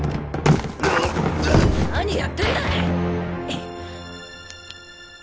何やってんだい！